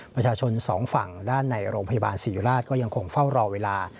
ประชาชนสองฝั่งด้านในโรงพยาบาลศรีราชก็ยังคงเฝ้ารอเวลา